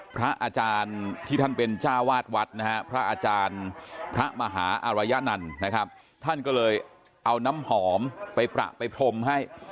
พระอรัยนั่นนะครับท่านก็เลยเอาน้ำหอมไปประไปพรมให้